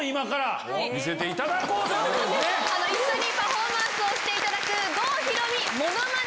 一緒にパフォーマンスをしていただく郷ひろみモノマネ